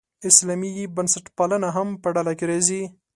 اسلامي بنسټپالنه هم په ډله کې راځي.